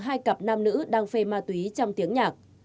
hai cặp nam nữ đang phê ma túy trong tiếng nhạc